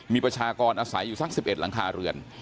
มีประชากรอาศัยอยู่สัก๑๑หลังคาเรือน